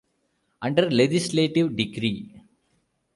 Under legislative decree.